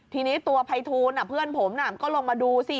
ทีนี้ตัวภัยทูลเพื่อนผมก็ลงมาดูสิ